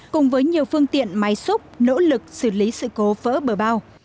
cùng với nhiều phương tiện máy xúc nỗ lực xử lý sự cố vỡ bờ bao